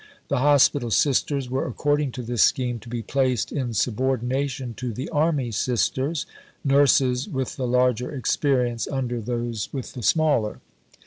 The Hospital Sisters were according to this scheme to be placed "in subordination to the Army Sisters" nurses with the larger experience under those with the smaller.